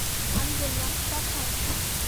আমি বললাম, টক হয়নি।